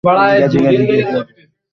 যেকেউ এ সেবা পাবেন বিনা মূল্যে।